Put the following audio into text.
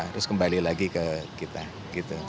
terus kembali lagi ke kita gitu